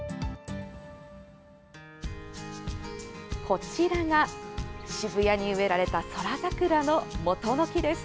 こちらが渋谷に植えられた宇宙桜の、もとの木です。